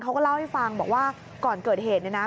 เขาก็เล่าให้ฟังบอกว่าก่อนเกิดเหตุเนี่ยนะ